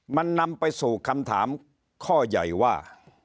มันนำไปสู่คำถามข้อใหญ่ว่า